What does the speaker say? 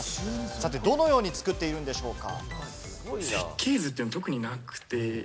さて、どのように作っているのでしょうか？